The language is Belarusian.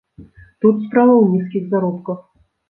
Тут справа ў нізкіх заробках.